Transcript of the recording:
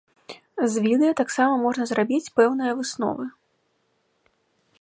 А з відэа таксама можна зрабіць пэўныя высновы.